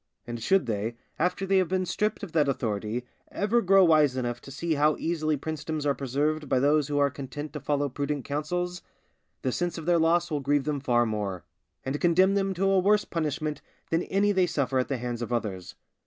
And should they, after they have been stripped of that authority, ever grow wise enough to see how easily princedoms are preserved by those who are content to follow prudent counsels, the sense of their loss will grieve them far more, and condemn them to a worse punishment than any they suffer at the hands of others.